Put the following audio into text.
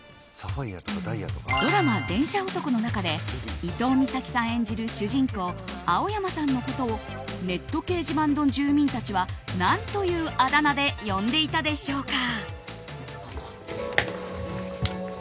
ドラマ「電車男」の中で伊東美咲さん演じる主人公青山さんのことをネット掲示板の住民たちは何というあだ名で呼んでいたでしょうか。